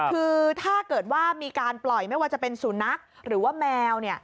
คือถ้าเกิดว่ามีการปล่อยไม่ว่าจะเป็นสุนัขหรือว่าแมว